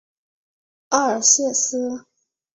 奥尔谢斯。